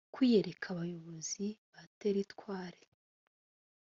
kwiyereka abayobozi ba teritwari